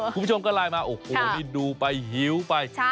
คุณผู้ชมก็ไลน์มาโอ้โหนี่ดูไปหิวไป